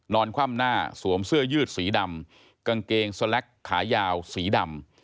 คว่ำหน้าสวมเสื้อยืดสีดำกางเกงสแล็กขายาวสีดำ